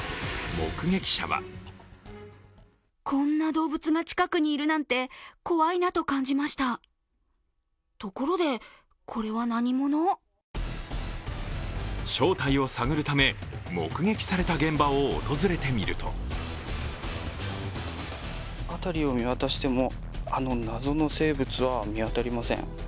目撃者は正体を探るため目撃された現場を訪れてみると辺りを見渡しても、あの謎の生物は見当たりません。